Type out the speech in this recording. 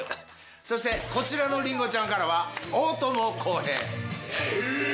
そしてこちらのりんごちゃんからは大友康平。